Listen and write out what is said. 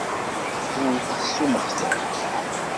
Wwtet s umextaf.